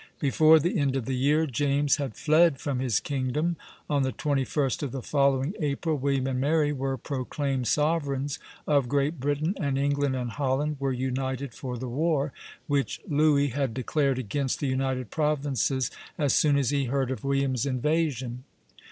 Before the end of the year, James had fled from his kingdom. On the 21st of the following April, William and Mary were proclaimed sovereigns of Great Britain, and England and Holland were united for the war, which Louis had declared against the United Provinces as soon as he heard of William's invasion.